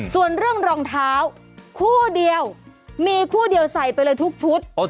ส่วนเรื่องรองเท้าคู่เดียวมีคู่เดียวใส่ไปเลยทุกชุด